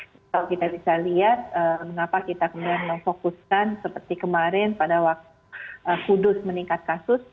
kalau kita bisa lihat mengapa kita kemudian memfokuskan seperti kemarin pada waktu kudus meningkat kasus